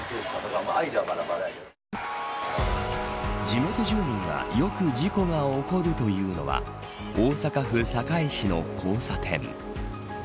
地元住民がよく事故が起こるというのは大阪府堺市の交差点。